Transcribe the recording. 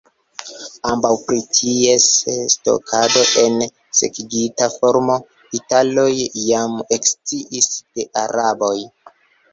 Ankaŭ pri ties stokado en sekigita formo, italoj jam eksciis de araboj.